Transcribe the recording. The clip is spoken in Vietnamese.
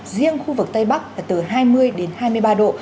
riêng khu vực tây bắc là từ hai mươi đến hai mươi ba độ